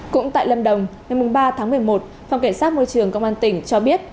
cũng tại lâm đồng ngày ba tháng một mươi một phòng cảnh sát môi trường công an tỉnh cho biết